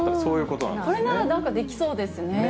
これならなんかできそうです